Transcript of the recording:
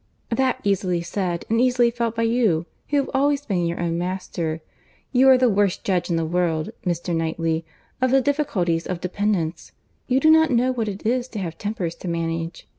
"That's easily said, and easily felt by you, who have always been your own master. You are the worst judge in the world, Mr. Knightley, of the difficulties of dependence. You do not know what it is to have tempers to manage."